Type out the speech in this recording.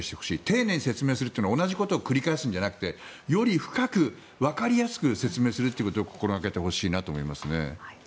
丁寧に説明するということは同じことを繰り返すんじゃなくてより深くわかりやすく説明するということを心掛けてほしいなと思いますね。